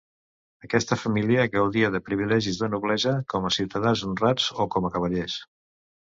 Aquesta família gaudia de privilegis de noblesa, com a Ciutadans Honrats o com a Cavallers.